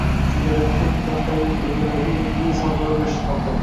Sirdaryoda “Temir daftar”dagilarga Yangi yil sovg‘alari ulashilmoqda